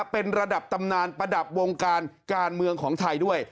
เป็นระดับตำนานประดับวงการการเมืองของไทยด้วย